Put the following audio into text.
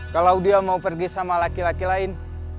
kalau dia mau pergi sama laki laki lain